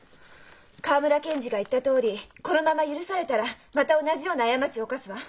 河村検事が言ったとおりこのまま許されたらまた同じような過ちを犯すわ！